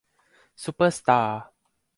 ซุปเปอร์สตาร์